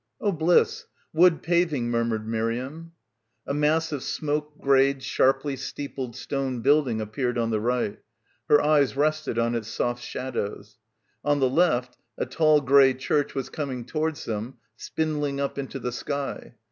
"Oh bliss, wood paving," murmured Miriam. A mass of smoke greyed, sharply steepled stone — 22 — BACKWATER building appeared on the right. Her eyes rested on its soft shadows. On the left a tall grey church was coming to wards them, spindling up into the sky.